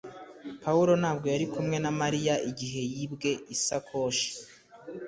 Pawulo ntabwo yari kumwe na Mariya igihe yibwe isakoshi